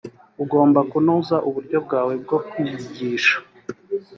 ugomba kunoza uburyo bwawe bwo kwiyigisha